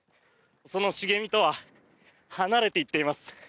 その茂みとは離れていっています。